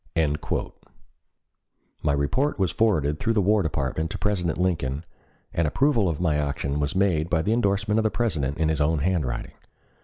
My report was forwarded through the War Department to President Lincoln and approval of my action was made by the endorsement of the President in his own handwriting.